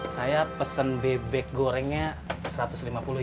saya pesen bebek gorengnya satu ratus lima puluh dolar